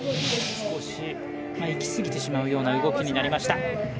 いきすぎてしまうような動きになりました。